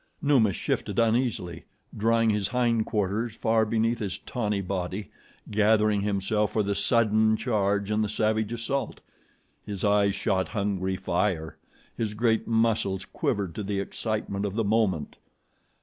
Numa shifted uneasily, drawing his hind quarters far beneath his tawny body, gathering himself for the sudden charge and the savage assault. His eyes shot hungry fire. His great muscles quivered to the excitement of the moment.